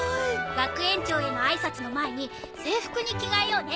学園長へのあいさつの前に制服に着替えようね。